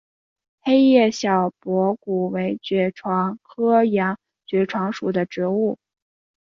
黑叶小驳骨为爵床科洋爵床属的植物。